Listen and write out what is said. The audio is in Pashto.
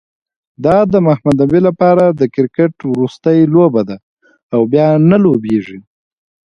دا د محمد نبي لپاره د کرکټ وروستۍ لوبه ده، او بیا نه لوبیږي